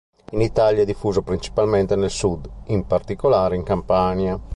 In Italia è diffuso principalmente nel Sud, in particolare in Campania.